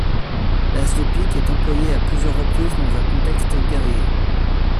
L'as de pique est employé à plusieurs reprises dans un contexte guerrier.